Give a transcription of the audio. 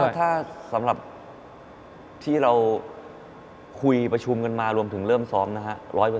บ๊วยบ๊วยบ๊วยบ๊วยสำหรับที่เราคุยประชุมกันมารวมถึงเริ่มซ้อมนะฮะ๑๐๐